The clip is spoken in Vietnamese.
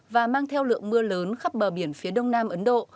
và mang theo lượng mưa lớn khắp bờ biển phía đông nam ấn độ